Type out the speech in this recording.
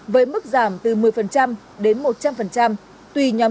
với mức giảm từ một mươi đến một trăm linh tùy nhóm đối tượng trong vòng ba tháng